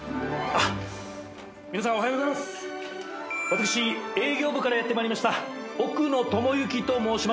私営業部からやって参りました奥野智之と申します。